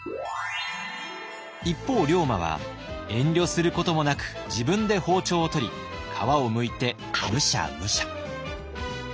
一方龍馬は遠慮することもなく自分で包丁を取り皮をむいてムシャムシャ。